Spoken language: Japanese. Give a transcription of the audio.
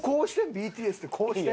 ＢＴＳでこうして？